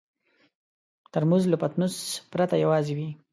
ترموز له پتنوس پرته یوازې وي.